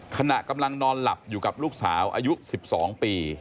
ขณะกำลังนอนหลับอยู่กับลูกสาวอายุ๑๒ปี